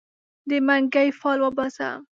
د منګې فال وباسه